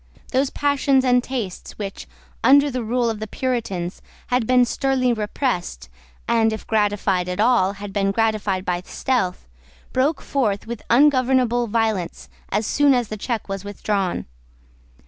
Those passions and tastes which, under the rule of the Puritans, had been sternly repressed, and, if gratified at all, had been gratified by stealth, broke forth with ungovernable violence as soon as the check was withdrawn.